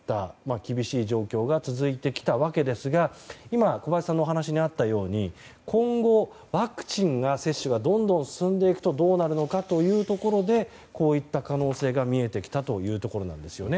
厳しい状況が続いてきたわけですが今、小林さんのお話にあったように今後、ワクチンの接種がどんどん進んでいくとどうなるのかというところでこういった可能性が見えてきたというところなんですね。